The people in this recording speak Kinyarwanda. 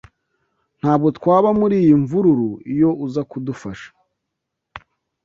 Ntabwo twaba muri iyi mvururu iyo uza kudufasha.